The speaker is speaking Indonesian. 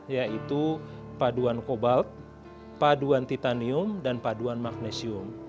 yaitu paduan kobalt paduan titanium dan paduan magnesium